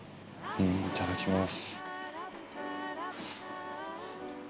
いただきます。